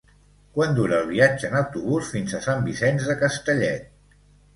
Quant dura el viatge en autobús fins a Sant Vicenç de Castellet?